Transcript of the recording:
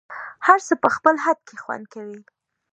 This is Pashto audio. هر څه په خپل خد کي خوند کوي